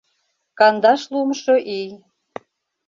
Кандашлуымшо ий...